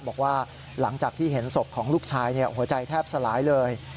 บอกว่าหลังจากที่เห็นศพของลูกชายหัวใจแทบสลายเลย